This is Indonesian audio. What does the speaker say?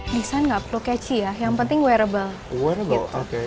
desain nggak perlu catchy ya yang penting wearable